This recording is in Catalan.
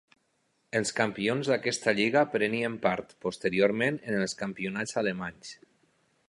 Els campions d'aquesta lliga prenien part posteriorment en els campionats alemanys.